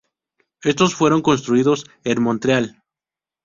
Estos fueron construidos en Montreal.